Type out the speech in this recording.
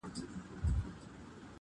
• خو خبري نه ختمېږي هېڅکله تل..